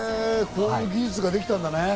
こういう技術ができたんだね。